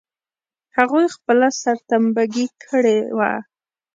هغوی خپله سرټمبه ګي کړې وه.